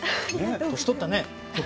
年とったね。